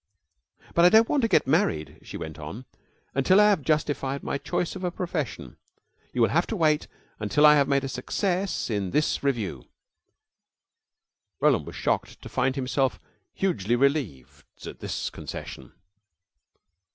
"But I don't want to get married," she went on, "until I have justified my choice of a profession. You will have to wait until I have made a success in this revue." Roland was shocked to find himself hugely relieved at this concession.